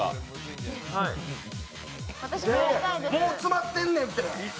もう詰まってんねんて！